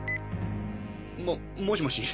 ももしもし？